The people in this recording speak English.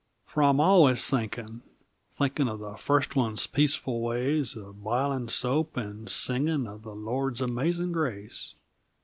Fer I'm allus thinkin' thinkin' Of the first one's peaceful ways, A bilin' soap and singin' Of the Lord's amazin' grace.